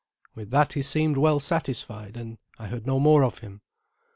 With that he seemed well satisfied, and I heard no more of him.